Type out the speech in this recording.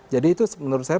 jadi itu menurut saya